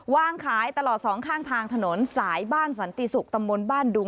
วางขายตลอดสองข้างทางถนนสายบ้านสันติศุกร์ตำบลบ้านดู